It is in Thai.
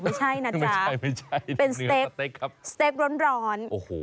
ไม่ใช่นะจ๊ะไม่ใช่ไม่ใช่เป็นสเต๊กสเต๊กร้อนร้อน